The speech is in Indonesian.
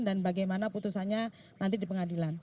dan bagaimana putusannya nanti di pengadilan